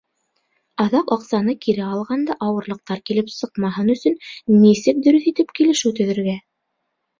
Аҙаҡ аҡсаны кире алғанда ауырлыҡтар килеп сыҡмаһын өсөн нисек дөрөҫ итеп килешеү төҙөргә?